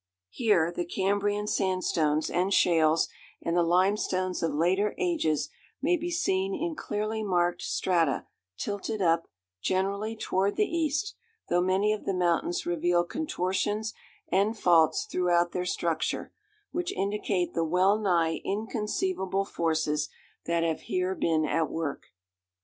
Here the Cambrian sandstones and shales and the limestones of later ages may be seen in clearly marked strata tilted up, generally, toward the east, though many of the mountains reveal contortions and faults throughout their structure, which indicate the wellnigh inconceivable forces that have here been at work.